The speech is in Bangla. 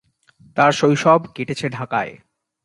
তার শৈশব কেটেছে ঢাকায়।